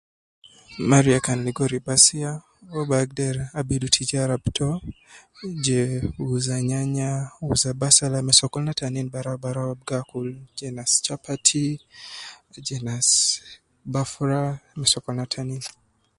Mariya kan ligo riba siya, uwo bi agder abidu tijara bi tou je uza nyanya uza basala me sokolna taanin baraubarau al gi akulau je nas bafra je nas chapati me sokolna taanin.